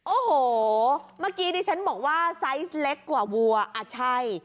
โอ้โหเมื่อกี้ดิฉันบอกว่าไซส์เล็กกว่าวัวอ่ะใช่